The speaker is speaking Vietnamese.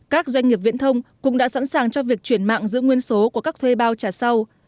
các doanh nghiệp viễn thông cũng đã sẵn sàng cho việc chuyển mạng giữ nguyên số của các thuê bao trả sau